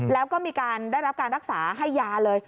แล้วก็มีการได้รับการรักษาให้ยาเลย